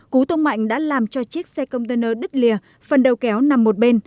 cú tông mạnh đã làm cho chiếc xe container đứt lìa phần đầu kéo nằm một bên